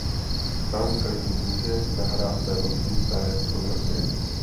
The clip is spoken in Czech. Tam každý může nahrát své vlastní staré fotografie.